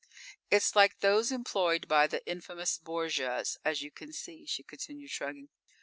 _ _"It's like those employed by the infamous Borgias, as you can see," she continued, shrugging.